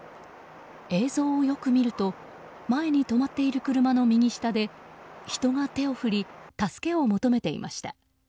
映像をよく見ると前に止まっている車の右下で人が手を振り助けを求めていました。